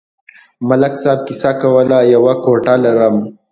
ملک صاحب کیسه کوله: یوه کوټه لرم.